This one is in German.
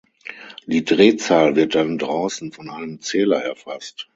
Die Drehzahl wird dann draußen von einem Zähler erfasst.